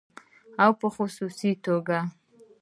او په خصوصي توګه